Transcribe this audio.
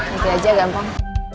nanti aja gampang